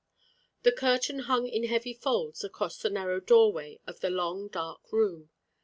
The curtain hung in heavy folds across the narrow doorway of the long dark room.